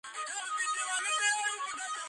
მოღვაწეობდა უმთავრესად იტალიაში.